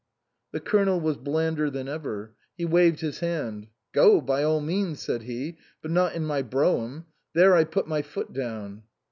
The Colonel was blander than ever ; he waved his hand. " Go, by all means," said he, " but not in my brougham. There I put my foot down."